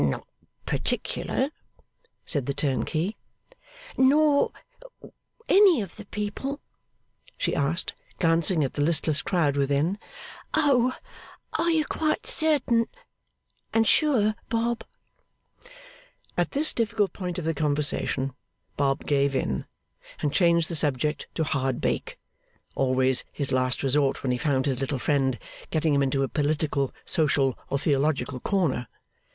'N not particular,' said the turnkey. 'Nor any of the people?' she asked, glancing at the listless crowd within. 'O are you quite sure and certain, Bob?' At this difficult point of the conversation Bob gave in, and changed the subject to hard bake: always his last resource when he found his little friend getting him into a political, social, or theological corner.